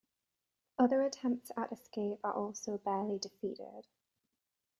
Other attempts at escape are also barely defeated.